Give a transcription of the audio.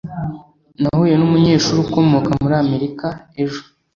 nahuye numunyeshuri ukomoka muri amerika ejo